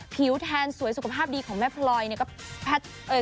ผิวแทนสวยสุขภาพดีของแม่พลอยเนี่ยก็